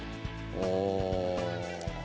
うん。